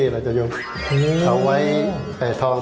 เราจะยกเขาไว้แต่ทอง